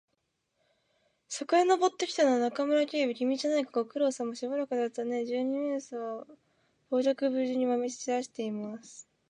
そこへ登ってきたのは、中村警部君じゃないか。ご苦労さま。しばらくだったねえ。二十面相は傍若無人にわめきちらしています。